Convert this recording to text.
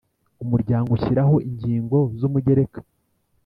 Umuryango ushyiraho ingingo z umugereka